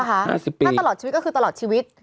ถ้าตลอดชีวิตก็คือตลอดชีวิต